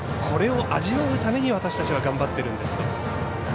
これを味わうために私たちは頑張っているんですと。